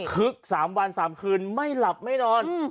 คึกสามวันสามคืนไม่หลับไม่นอนอืม